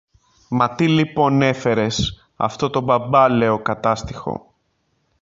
Μα τι λοιπόν έφερες αυτό το παμπάλαιο Κατάστιχο